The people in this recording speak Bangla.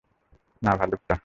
না, ভালুকটা।